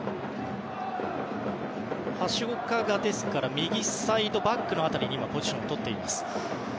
橋岡が右サイドバック辺りにポジションをとっています。